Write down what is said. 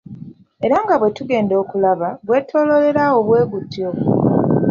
Era nga bwe tugenda okulaba, gwetooloolera awo bwe gutyo.